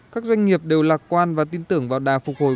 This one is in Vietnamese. các doanh nghiệp đều lạc quan và tin tưởng vào đà phục hồi